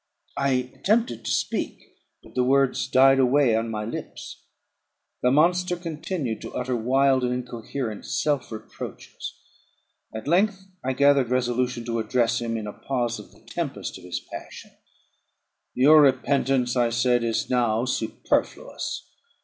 I attempted to speak, but the words died away on my lips. The monster continued to utter wild and incoherent self reproaches. At length I gathered resolution to address him in a pause of the tempest of his passion: "Your repentance," I said, "is now superfluous.